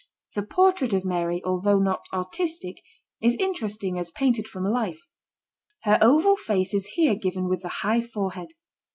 The portrait of Mary, although not artistic, is interesting as painted from life. Her oval face is here given with the high forehead.